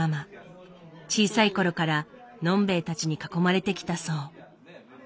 小さいころから呑んべえたちに囲まれてきたそう。